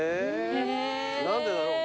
何でだろう。